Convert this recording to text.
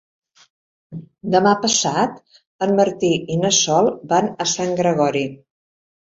Demà passat en Martí i na Sol van a Sant Gregori.